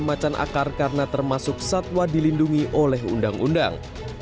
macan akar karena termasuk satwa dilindungi oleh undang undang